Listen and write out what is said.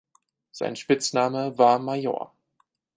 Sein Spitzname war "Major".